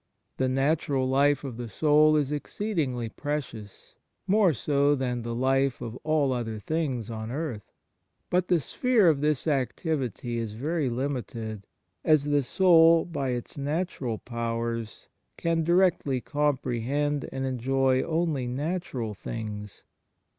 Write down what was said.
The natural life of the soul is exceedingly precious, more so than the life of all other things on earth. But the sphere of this activity is very limited, as the soul by its natural powers can directly comprehend and enjoy only natural things.